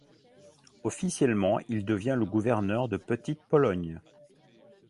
Officiellement, il devient le gouverneur de Petite-Pologne.